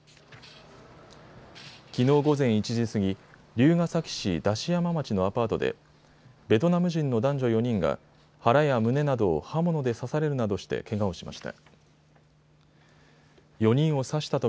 きのう午前１時過ぎ、龍ケ崎市出し山町のアパートでベトナム人の男女４人が、腹や胸などを刃物で刺されるなどしてけがをしました。